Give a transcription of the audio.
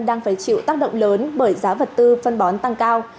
đang phải chịu tác động lớn bởi giá vật tư phân bón tăng cao